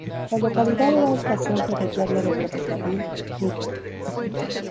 La localidad era estación ferroviaria del Ferrocarril Midland.